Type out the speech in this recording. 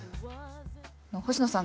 星野さん